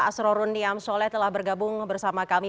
asrorun niam soleh telah bergabung bersama kami